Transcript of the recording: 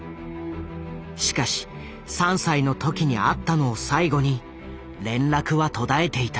しかし３歳の時に会ったのを最後に連絡は途絶えていた。